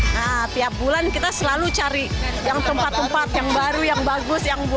nah tiap bulan kita selalu cari yang tempat tempat yang baru yang bagus